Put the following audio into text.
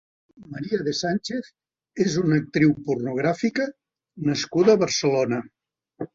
María de Sánchez és una actriu pornogràfica nascuda a Barcelona.